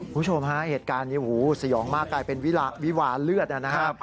คุณผู้ชมฮะเหตุการณ์นี้หูสยองมากกลายเป็นวิวาเลือดนะครับ